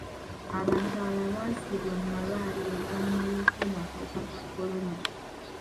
Abantu abalala basiibulwa mu malwaliro oluvannyuma lw'okuwona akawuka ka kolona.